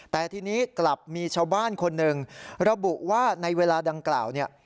แต่ทีนี้กลับมีชาวบ้านคนหนึ่งระบุว่าในเวลาดังกล่าวเนี่ย